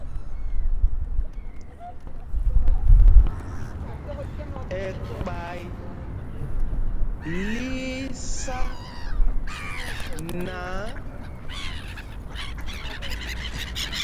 Ɛkpay lí í sá náǎ,